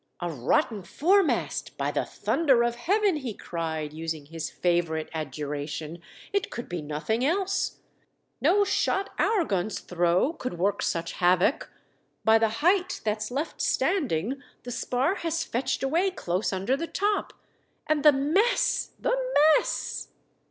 " A rotten foremast, by the thunder of Heaven !" he cried, using his favourite adju ration ; "it could be nothing else. No shot our guns throw could work such havoc. By the height that's left standing the spar has fetched away close under the top. And the mess ! the mess